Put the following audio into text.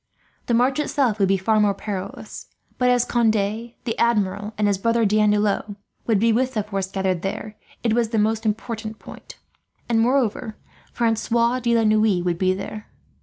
The march itself would be more perilous; but as Conde, the Admiral, and his brother D'Andelot would be with the force gathered there, it was the most important point; and moreover Francois de la Noue would be there.